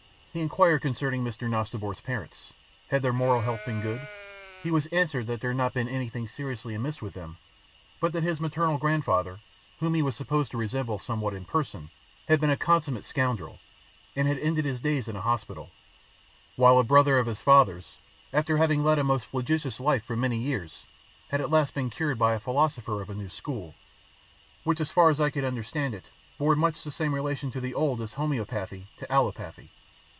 He inquired concerning Mr. Nosnibor's parents—had their moral health been good? He was answered that there had not been anything seriously amiss with them, but that his maternal grandfather, whom he was supposed to resemble somewhat in person, had been a consummate scoundrel and had ended his days in a hospital,—while a brother of his father's, after having led a most flagitious life for many years, had been at last cured by a philosopher of a new school, which as far as I could understand it bore much the same relation to the old as homoeopathy to allopathy.